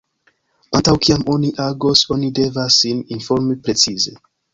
Antaŭ kiam oni agos, oni devas sin informi precize.